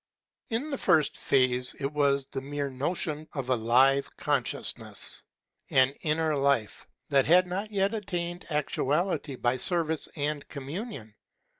In the first phase it was the mere notion of a live Consciousness, an inner life that had not yet attained actuality by service and communion.